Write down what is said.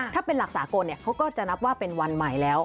ถ้าเป็นหลักสากลเขาก็จะนับว่าเป็นวันใหม่แล้ว